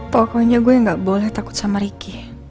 pokoknya gue gak boleh takut sama ricky